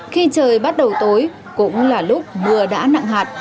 khi trời bắt đầu tối cũng là lúc mưa đã nặng hạt